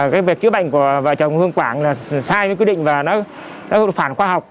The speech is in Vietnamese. cái việc chữa bệnh của vợ chồng hương quảng là sai với quy định và nó phản khoa học